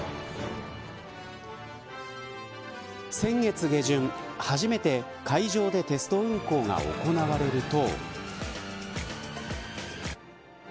先月下旬、初めて海上でテスト運航が行われると。